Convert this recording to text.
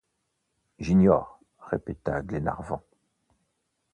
J’ignore, répéta Glenarvan.